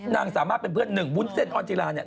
สามารถเป็นเพื่อนหนึ่งวุ้นเส้นออนจิลาเนี่ย